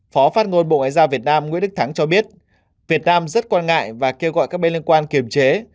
phó phát ngôn bộ ngoại giao việt nam nguyễn đức thắng cho biết việt nam rất quan ngại và kêu gọi các bên liên quan kiềm chế